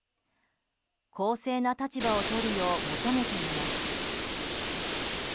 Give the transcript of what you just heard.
公正な立場をとるよう求めています。